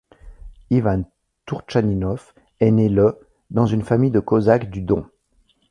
Ivan Tourtchaninov est né le dans une famille de cosaques du Don.